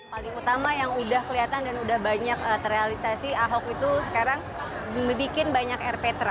paling utama yang udah kelihatan dan udah banyak terrealisasi ahok itu sekarang bikin banyak rptra